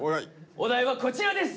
お題はこちらです！